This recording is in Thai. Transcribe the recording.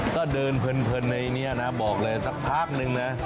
ก็เดินเพลินในนี้นะบอกเลยสักพักนึงนะ